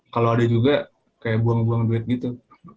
kalau ada juga kayak buang buang deh